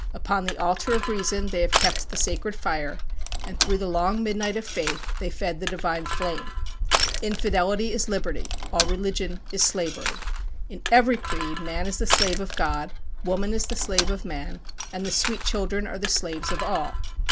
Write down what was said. Upon the altar of Reason they have kept the sacred fire, and through the long midnight of faith, they fed the divine flame. Infidelity is liberty; all religion is slavery. In every creed, man is the slave of God woman is the slave of man, and the sweet children are the slaves of all.